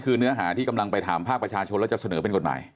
เดี๋ยวภาคประชาชนแล้วจะเสนอเป็นกฏหมาย